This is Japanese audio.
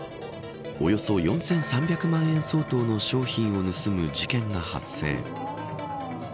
およそ４３００万円相当の商品を盗む事件が発生。